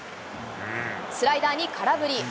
スライダーに空振り。